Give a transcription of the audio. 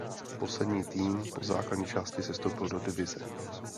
Poslední tým po základní části sestoupil do divize.